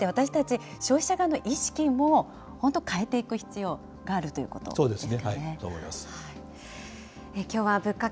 そして私たち、消費者側の意識も本当変えていく必要があるというそうですね。